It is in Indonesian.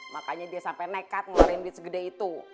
makanya dia sampai nekat ngeluarin duit segede itu